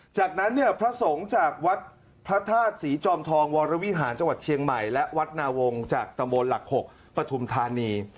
จากนั้นเนี่ยพระสงฆ์จากวัดพระธาตุศรีจอมทองวรวิหารจังหวัดเชียงใหม่และวัดนาวงศ์จากตำบลหลัก๖ปฐุมธานี